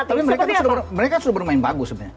tapi mereka sudah bermain bagus sebenarnya